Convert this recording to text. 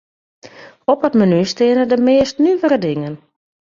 Op it menu steane de meast nuvere dingen.